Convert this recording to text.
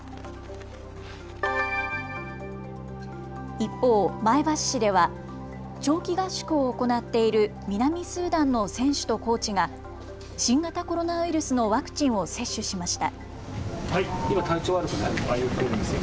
一方、前橋市では長期合宿を行っている南スーダンの選手とコーチが新型コロナウイルスのワクチンを接種しました。